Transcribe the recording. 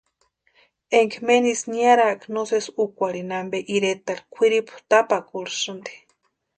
Énka menisï niarakʼa no sési úkwarhini ampe iretarhu kwʼiripu tapakurhisïnti.